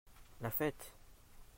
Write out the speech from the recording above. La fête.